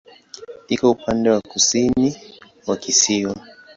Iko upande wa kusini wa kisiwa.